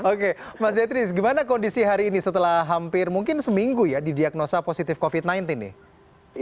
oke mas detris gimana kondisi hari ini setelah hampir mungkin seminggu ya didiagnosa positif covid sembilan belas nih